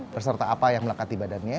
beserta apa yang melekat di badannya